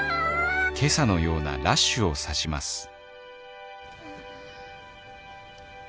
今朝のようなラッシュを指しますああ。